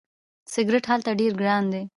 سیګرټ هلته ډیر ګران دي.